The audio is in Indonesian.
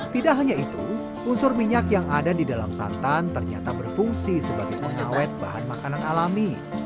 tidak hanya itu unsur minyak yang ada di dalam santan ternyata berfungsi sebagai pengawet bahan makanan alami